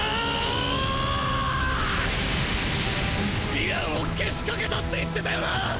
ヴィランをけしかけたって言ってたよな！？